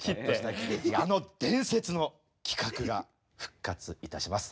あの伝説の企画が復活いたします。